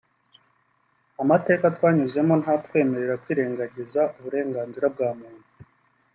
amateka twanyuzemo ntatwemerera kwirengagiza uburenganzira bwa muntu